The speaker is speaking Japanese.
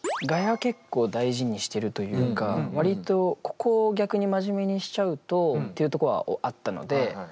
ガヤ結構大事にしてるというか割とここを逆に真面目にしちゃうとっていうとこはあったので。